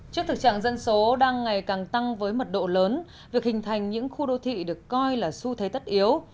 trước thực trạng dân số đang ngày càng tăng với mật độ lớn việc hình thành những khu đô thị được coi là xu thế tất yếu